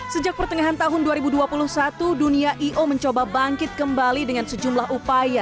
sejak pertengahan tahun dua ribu dua puluh satu dunia i o mencoba bangkit kembali dengan sejumlah upaya